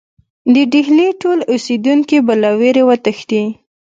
د ډهلي ټول اوسېدونکي به له وېرې وتښتي.